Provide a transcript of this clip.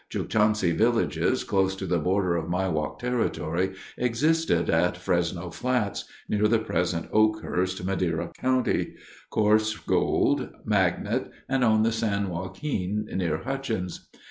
Chukchansi villages close to the border of Miwok territory existed at Fresno Flats (near the present Oakhurst, Madera County), Coarse Gold, Magnet, and on the San Joaquin near Hutchins.